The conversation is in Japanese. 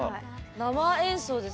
生演奏です。